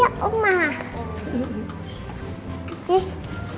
aku masuk kelas dulu ya